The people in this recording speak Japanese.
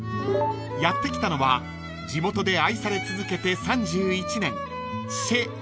［やって来たのは地元で愛され続けて３１年］